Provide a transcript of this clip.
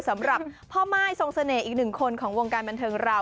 สำหรับพ่อม่ายทรงเสน่ห์อีกหนึ่งคนของวงการบันเทิงเรา